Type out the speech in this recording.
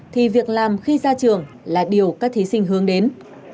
thì việc làm khi ra trường là điều các thí sinh hướng đến